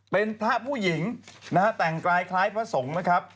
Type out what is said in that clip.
เป็นพระผู้หญิงแต่งกลายคล้ายพระสงฆ์